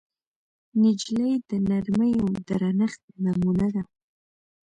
نجلۍ د نرمۍ او درنښت نمونه ده.